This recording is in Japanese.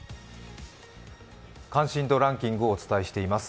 関心度ランキングをお伝えしています。